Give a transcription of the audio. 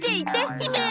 姫！